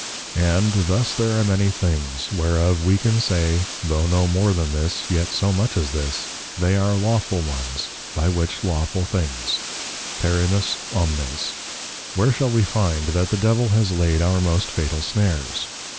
And, thus there are many Things, whereof we can say, though no more than this, yet so much as this, They are Lawful ones, by which Lawful Things Perimus Omnes. Where shall we find that the Devil has laid our most fatal Snares?